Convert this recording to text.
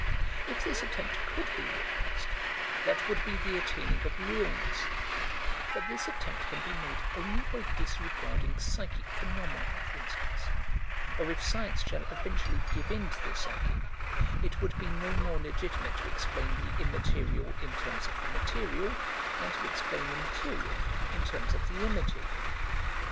If this attempt could be realized, that would be the attaining of realness; but this attempt can be made only by disregarding psychic phenomena, for instance or, if science shall eventually give in to the psychic, it would be no more legitimate to explain the immaterial in terms of the material than to explain the material in terms of the immaterial.